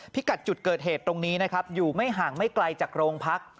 กัดจุดเกิดเหตุตรงนี้นะครับอยู่ไม่ห่างไม่ไกลจากโรงพัก